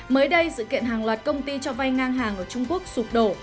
mới đây sự kiện hàng loạt công ty cho vay ngang hàng ở trung quốc sụp đổ